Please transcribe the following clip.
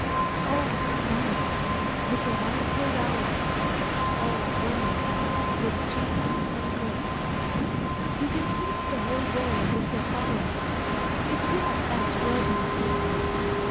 Oh, man, with your wonderful dower, Oh, woman, with genius and grace, You can teach the whole world with your power, If you are but worthy the place.